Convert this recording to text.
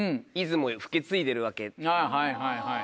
あぁはいはいはい。